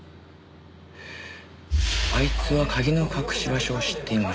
あいつは鍵の隠し場所を知っていました。